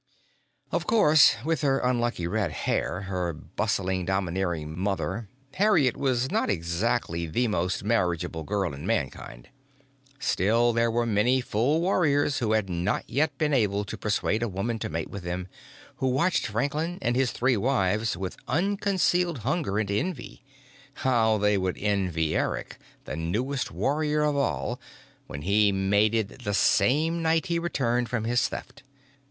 Of course, with her unlucky red hair, her bustling, domineering mother, Harriet was not exactly the most marriageable girl in Mankind. Still, there were many full warriors who had not yet been able to persuade a woman to mate with them, who watched Franklin and his three wives with unconcealed hunger and envy. How they would envy Eric, the newest warrior of all, when he mated the same night he returned from his theft!